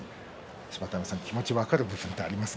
芝田山さん、気持ちが分かる部分はありますか？